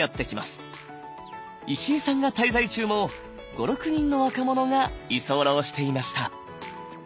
石井さんが滞在中も５６人の若者が居候していました。